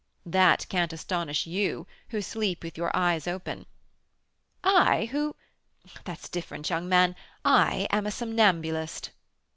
"That can't astonish you, who sleep with your eyes open." "I, who That's different, young man; I am a somnambulist."